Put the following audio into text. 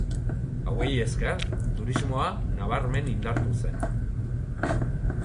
Hauei esker turismoa nabarmen indartu zen.